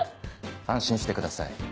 安心してください